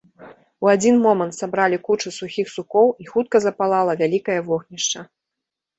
У адзін момант сабралі кучу сухіх сукоў, і хутка запалала вялікае вогнішча.